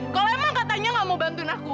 kalau emang katanya gak mau bantuin aku